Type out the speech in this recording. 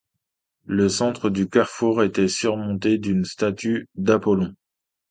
Le centre du carrefour était surmonté d’une statue d’Apollon.